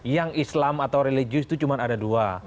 yang islam atau religius itu cuma ada dua